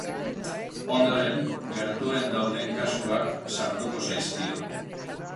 Ondoren, gertuen dauden kasuak sartuko zaizkio.